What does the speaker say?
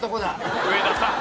上田さん。